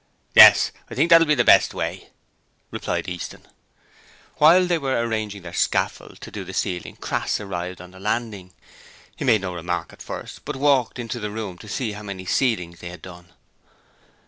'Yes. I think that'll be the best way,' replied Easton. While they were arranging their scaffold to do the ceiling Crass arrived on the landing. He made no remark at first, but walked into the room to see how many ceilings they had done.